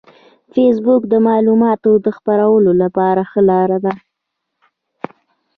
فېسبوک د معلوماتو د خپرولو لپاره ښه لار ده